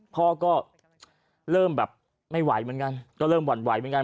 พ่อก็เริ่มแบบไม่ไหวเหมือนกันก็เริ่มหวั่นไหวเหมือนกัน